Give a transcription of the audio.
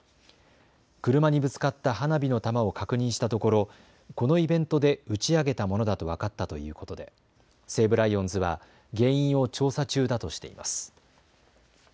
車にぶつかった花火の玉を確認したところ、このイベントで打ち上げたものだと分かったということで西武ライオンズは原因を調査中だとしています。